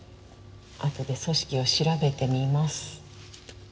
あとで組織を調べてみます。